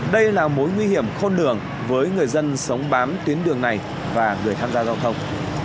đây là mối nguy hiểm khôn lường với người dân sống bám tuyến đường này và người tham gia giao thông